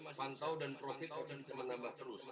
tapi kondisi normal disini kita masih bisa lihat ya